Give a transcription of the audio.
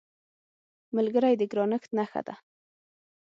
ملګری د ګرانښت نښه ده